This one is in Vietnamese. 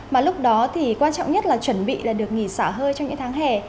mà lúc đó thì quan trọng nhất là chuẩn bị là được nghỉ xả hơi trong những tháng hè